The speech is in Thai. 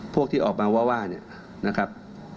พวกที่ออกมาว่านะครับ